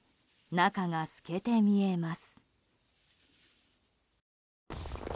中が透けて見えます。